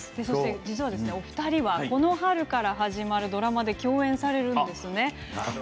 そして、お二人はこの春から始まるドラマで共演されるんですよね。